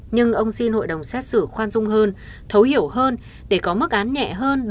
nhưng ông xin hội đồng xét xử khoan dung hơn thấu hiểu hơn